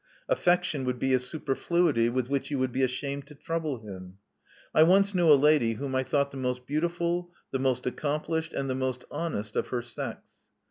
Affec tion would be a superfluity with which you would be ashamed to trouble him. I once knew a lady whom I thought the most beautiful, the most accomplished, and the most honest of her sex.